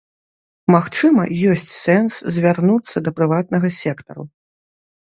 Магчыма, ёсць сэнс звярнуцца да прыватнага сектару.